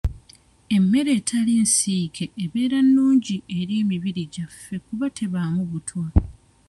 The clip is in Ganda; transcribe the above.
Emmere etali nsiike ebeera nnungi eri emibiri gyaffe kuba tebaamu butwa.